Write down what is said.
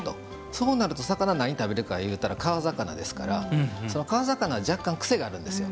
そうなると、魚何食べるかいうたら川魚ですから川魚は若干、癖があるんですよ。